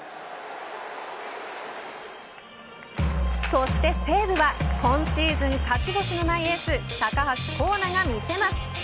そして西武は今シーズン勝ち星のないエース高橋光成が見せます。